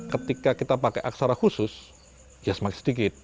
ketika kita pakai aksara khusus ya semakin sedikit